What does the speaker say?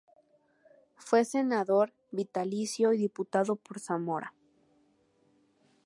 Fue senador vitalicio y diputado por Zamora.